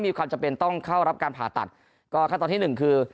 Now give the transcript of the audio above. มีความจำเป็นต้องเข้ารับการผ่าตัดก็ขั้นตอนที่หนึ่งคือ